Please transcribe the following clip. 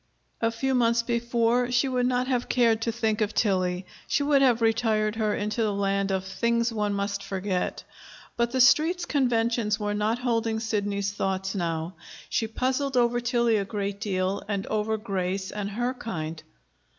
A few months before she would not have cared to think of Tillie. She would have retired her into the land of things one must forget. But the Street's conventions were not holding Sidney's thoughts now. She puzzled over Tillie a great deal, and over Grace and her kind.